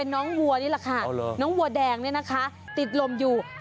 น้องกามยังมีบางคนตลอด